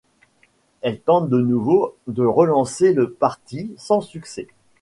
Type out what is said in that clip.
Elle tente de nouveau de relancer le parti, sans succès.